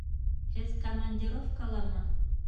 Һеҙ командировкаламы?